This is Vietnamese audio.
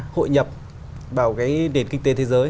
hội nhập vào cái nền kinh tế thế giới